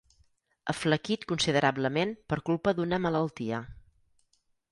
Aflaquit considerablement per culpa d'una malaltia.